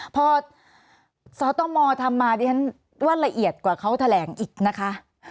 พอสตมทำมาดิฉันว่าละเอียดกว่าเขาแถลงอีกนะคะ